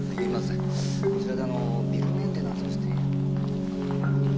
こちらでビルメンテナンスをしている。